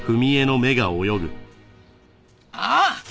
ああ！